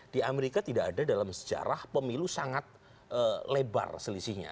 di amerika tidak ada dalam sejarah pemilu sangat lebar selisihnya